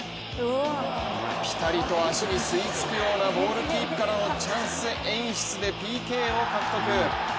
ピタリと足に吸い付くようなボールキープからのチャンス演出でＰＫを獲得。